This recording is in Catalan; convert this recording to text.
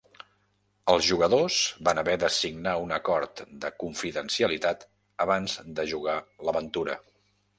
Els jugadors van haver de signar un acord de confidencialitat abans de jugar l'aventura.